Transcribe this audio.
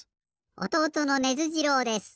おとうとのネズ次郎です。